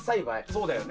そうだよね。